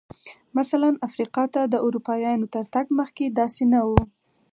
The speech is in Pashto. مثلاً افریقا ته د اروپایانو تر تګ مخکې داسې نه و.